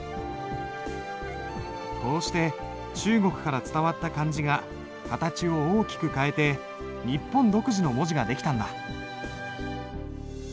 こうして中国から伝わった漢字が形を大きく変えて日本独自の文字ができたんだ。